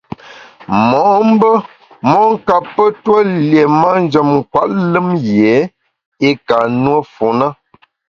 Mo’mbe mon kape tue lié manjem nkwet lùm yié i ka nùe fu na.